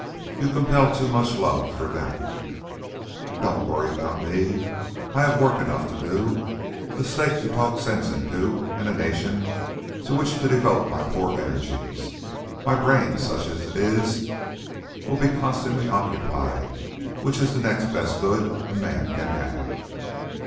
You compel too much love for that. "Don't worry about me. I have work enough to do a State to talk sense into and a nation to which to devote my poor energies. My brain such as it is will be constantly occupied, which is the next best good a man can have."